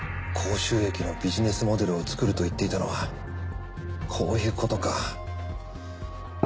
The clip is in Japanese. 高収益のビジネスモデルを作ると言っていたのはこういうことか。